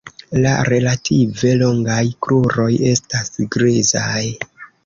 La relative longaj kruroj estas grizaj.